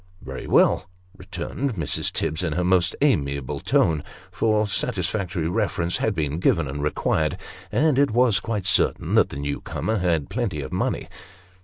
" Very well," returned Mrs. Tibbs, in her most amiable tone ; for satisfactory references had " been given and required," and it was quite certain that the new comer had plenty of money.